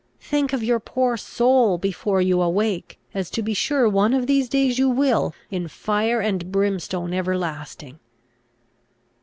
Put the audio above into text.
Think of your poor soul, before you awake, as to be sure one of these days you will, in fire and brimstone everlasting!"